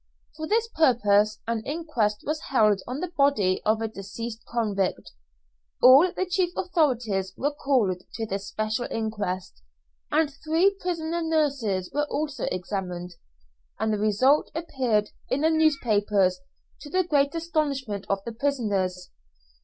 For this purpose an inquest was held on the body of a deceased convict; all the chief authorities were called to this special inquest, and three prisoner nurses were also examined, and the result appeared in the newspapers, to the great astonishment of the prisoners.